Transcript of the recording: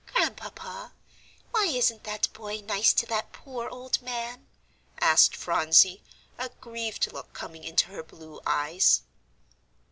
"Grandpapa, why isn't that boy nice to that poor old man?" asked Phronsie, a grieved look coming into her blue eyes.